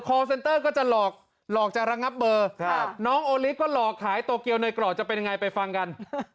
เซนเตอร์ก็จะหลอกจะระงับเบอร์น้องโอลิฟก็หลอกขายโตเกียวในกรอบจะเป็นยังไงไปฟังกัน